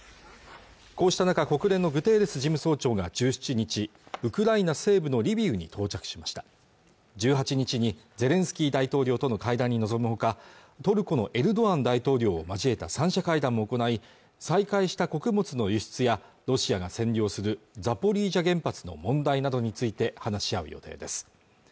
こうした中国連のグテーレス事務総長が１７日ウクライナ西部のリビウに到着しました１８日にゼレンスキー大統領との会談に臨むほかトルコのエルドアン大統領を交えた三者会談も行い再開した穀物の輸出やロシアが占領するザポリージャ原発の問題などについて話し合う予定です